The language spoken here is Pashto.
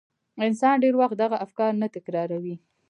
انسان ډېر وخت دغه افکار نه تکراروي.